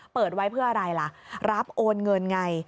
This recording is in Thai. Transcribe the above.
เปิดไว้เพื่ออะไรล่ะรับโอนเงินไง